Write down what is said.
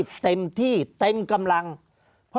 ภารกิจสรรค์ภารกิจสรรค์